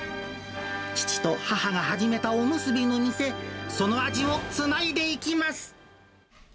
父と母が始めたおむすびの店、その味をつないでいきます。